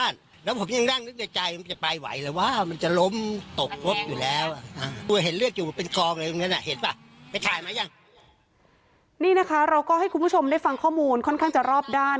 นี่นะคะเราก็ให้คุณผู้ชมได้ฟังข้อมูลค่อนข้างจะรอบด้าน